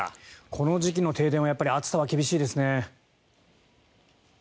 この時期の停電は暑さは厳しいですね。